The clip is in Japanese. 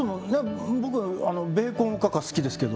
僕ベーコンおかか好きですけど。